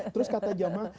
terus kata jamaah